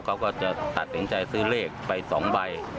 เขาก็จะตัดสินใจซื้อเลขไป๒ใบ